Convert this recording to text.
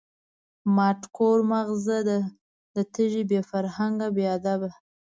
ماټ کور ماغزه د تیږی، بی فرهنگه بی ادبه